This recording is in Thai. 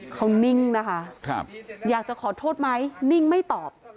เขานิ่งนะคะอยากจะขอโทษไหมนิ่งไม่ตอบ